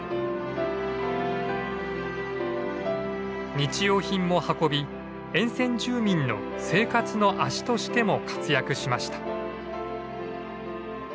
日用品も運び沿線住民の生活の足としても活躍しました。